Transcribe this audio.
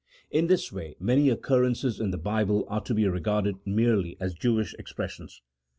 In this way many occurrences in the Bible are to be re garded merely as Jewish expressions.